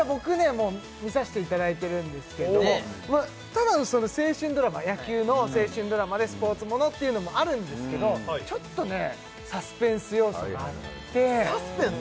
もう見させていただいてるんですけれどもただの青春ドラマ野球の青春ドラマでスポーツものっていうのもあるんですけどちょっとねサスペンス要素があってサスペンス？